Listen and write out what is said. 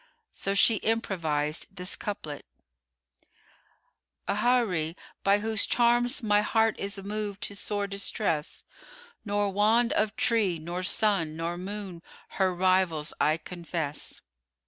So she improvised this couplet:— A houri, by whose charms my heart is moved to sore distress: * Nor wand of tree nor sun nor moon her rivals I confess!